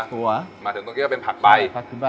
มาถึงตรงนี้ก็เป็นผักใบ